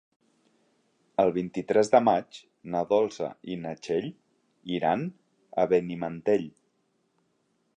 El vint-i-tres de maig na Dolça i na Txell iran a Benimantell.